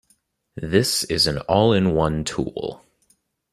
This is an all-in-one tool.